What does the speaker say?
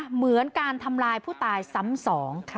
เหมือนการทำลายผู้ตายซ้ำสอง